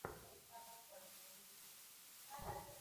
তিনি ও হরিদাস দত্ত পালিয়ে যান।